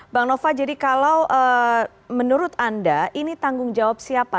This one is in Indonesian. bang nova jadi kalau menurut anda ini tanggung jawab siapa